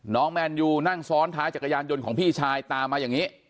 แมนยูนั่งซ้อนท้ายจักรยานยนต์ของพี่ชายตามมาอย่างนี้